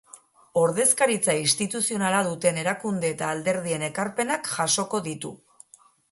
Ordezkaritza instituzionala duten erakunde eta alderdien ekarpenak jasoko ditu.